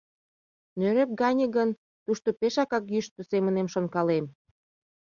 Нӧреп гане гын, тушто пешакак йӱштӧ, семынем шонкалем.